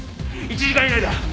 １時間以内だ。